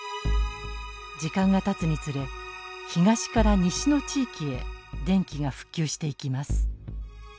時間がたつにつれ東から西の地域へ電気が復旧していきます。